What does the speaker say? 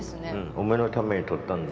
お前のために取ったんだ。